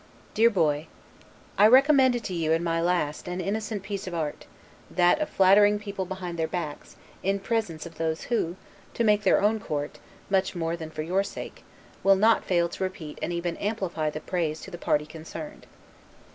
DEAR BOY: I recommended to you, in my last, an innocent piece of art; that of flattering people behind their backs, in presence of those who, to make their own court, much more than for your sake, will not fail to repeat and even amplify the praise to the party concerned.